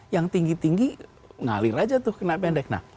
yang tinggi tinggi ngalir aja tuh kena pendek